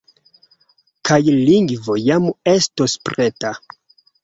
Kaj lingvo jam estos preta.